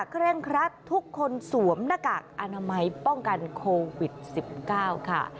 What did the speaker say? เร่งครัดทุกคนสวมหน้ากากอนามัยป้องกันโควิด๑๙ค่ะ